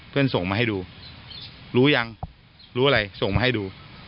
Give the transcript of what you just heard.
ส่งมาให้ดูรู้ยังรู้อะไรส่งมาให้ดู